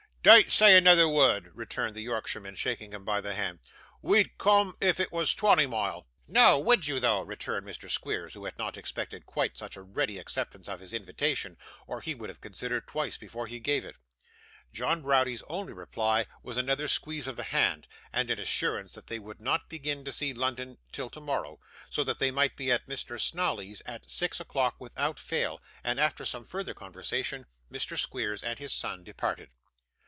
'Dean't say anoother wurd,' returned the Yorkshireman, shaking him by the hand. 'We'd coom, if it was twonty mile.' 'No, would you though?' returned Mr. Squeers, who had not expected quite such a ready acceptance of his invitation, or he would have considered twice before he gave it. John Browdie's only reply was another squeeze of the hand, and an assurance that they would not begin to see London till tomorrow, so that they might be at Mr. Snawley's at six o'clock without fail; and after some further conversation, Mr. Squeers and his son departed.